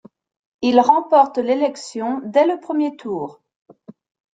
Il remporte l’élection dès le premier tour.